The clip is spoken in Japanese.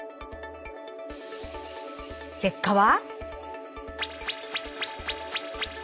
結果は？